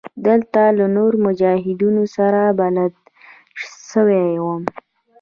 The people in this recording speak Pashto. دلته له نورو مجاهدينو سره بلد سوى وم.